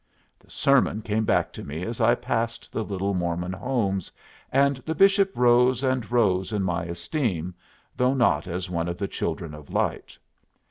The sermon came back to me as I passed the little Mormon homes, and the bishop rose and rose in my esteem, though not as one of the children of light.